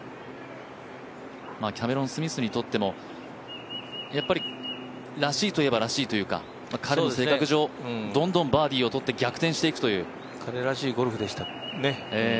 キャメロン・スミスにとってもやっぱりらしいといえばらしいというか彼の性格上どんどんバーディーを取って逆転していくという。